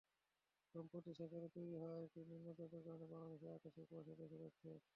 সম্প্রতি সেখানে তৈরি হওয়া একটি নিম্নচাপের কারণে বাংলাদেশের আকাশে কুয়াশা দেখা যাচ্ছে।